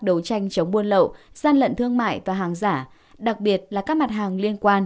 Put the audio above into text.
đấu tranh chống buôn lậu gian lận thương mại và hàng giả đặc biệt là các mặt hàng liên quan